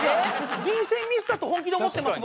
人選ミスだと本気で思ってます